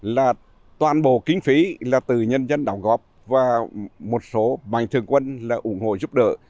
là toàn bộ kinh phí là từ nhân dân đóng góp và một số mạnh thường quân là ủng hộ giúp đỡ